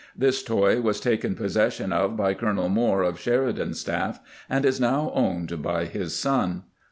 This toy was taken posses sion of by Colonel Moore of Sheridan's staff, and is now owned by his son.